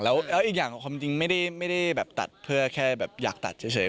แล้วอีกอย่างความจริงไม่ได้แบบตัดเพื่อแค่แบบอยากตัดเฉย